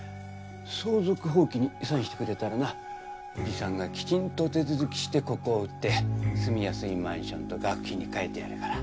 相続放棄にサインしてくれたらなおじさんがきちんと手続きしてここを売って住みやすいマンションと学費にかえてやるから。